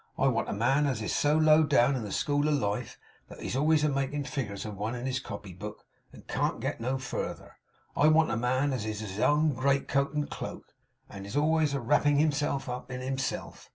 I want a man as is so low down in the school of life that he's always a making figures of one in his copy book, and can't get no further. I want a man as is his own great coat and cloak, and is always a wrapping himself up in himself.